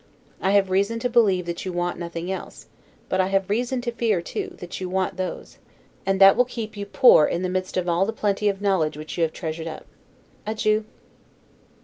I have reason to believe that you want nothing else; but I have reason to fear too, that you want those: and that want will keep you poor in the midst of all the plenty of knowledge which you may have treasured up. Adieu.